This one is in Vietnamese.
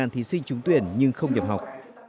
một trăm một mươi thí sinh trúng tuyển nhưng không nhập học